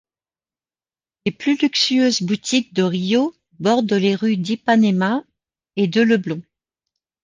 Les plus luxueuses boutiques de Rio bordent les rues d'Ipanema et de Leblon.